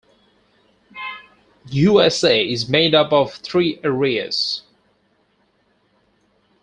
Usa is made up of three areas.